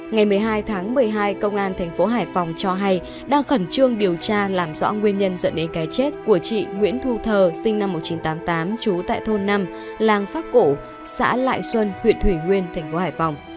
ngày một mươi hai tháng một mươi hai công an thành phố hải phòng cho hay đang khẩn trương điều tra làm rõ nguyên nhân dẫn đến cái chết của chị nguyễn thu thờ sinh năm một nghìn chín trăm tám mươi tám trú tại thôn năm làng pháp cổ xã lại xuân huyện thủy nguyên thành phố hải phòng